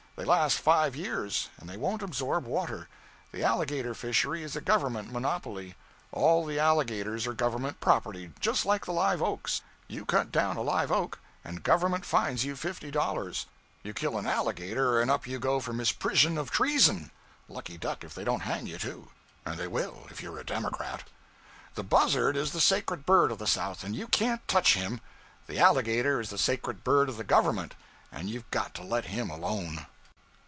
They last five years, and they won't absorb water. The alligator fishery is a Government monopoly. All the alligators are Government property just like the live oaks. You cut down a live oak, and Government fines you fifty dollars; you kill an alligator, and up you go for misprision of treason lucky duck if they don't hang you, too. And they will, if you're a Democrat. The buzzard is the sacred bird of the South, and you can't touch him; the alligator is the sacred bird of the Government, and you've got to let him alone.'